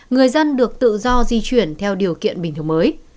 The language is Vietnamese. người dân được tự do di chuyển theo điều kiện bình thường mới